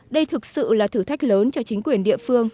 đây thực sự là thử thách lớn cho chính quyền địa phương